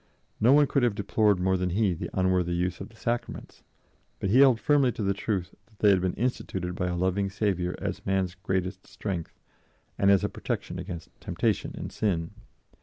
No one could have deplored more than he did the unworthy use of the Sacraments; but he held firmly to the truth that they had been instituted by a loving Saviour as man's greatest strength and as a protection against temptation and sin.